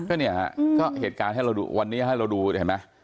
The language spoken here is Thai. ก็เนี่ยฮะก็เหตุการณ์ให้เราดูวันนี้ให้เราดูเห็นไหม